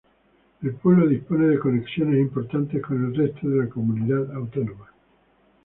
El pueblo dispone de conexiones importantes con el resto de la comunidad autónoma.